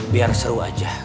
biar seru aja